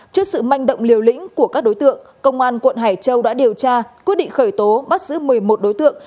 trước sự manh động liều lĩnh của các đối tượng công an quận hải châu đã điều tra quyết định khởi tố bắt giữ một mươi một đối tượng